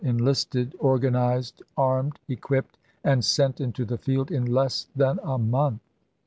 enlisted, organized, armed, equipped, and sent into the field in less than a month.